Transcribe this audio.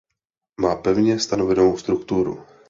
Má pevně stanovenou strukturu.